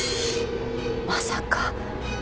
まさか。